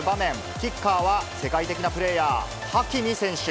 キッカーは世界的なプレーヤー、ハキミ選手。